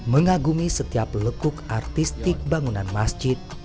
mengagumi setiap lekuk artistik bangunan masjid